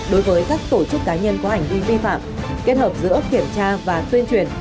đối với các tổ chức cá nhân có hành vi vi phạm kết hợp giữa kiểm tra và tuyên truyền